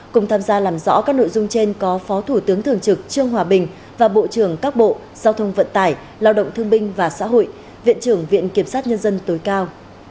cùng tham gia làm rõ các nội dung trên có phó thủ tướng thường trực trương hòa bình và bộ trưởng các bộ giao thông vận tải lao động thương binh và xã hội viện trưởng viện kiểm sát nhân dân tối cao